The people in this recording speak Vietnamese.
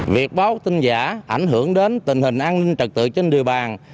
việc báo tin giả ảnh hưởng đến tình hình an ninh trật tự trên địa bàn